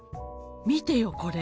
見てよこれ。